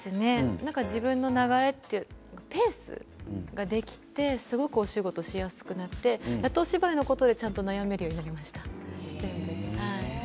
仕事の流れというかペースができてお仕事しやすくなってやっと、お芝居のことでちゃんと悩めるようになりました。